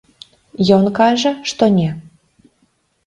Ён кажа, што не.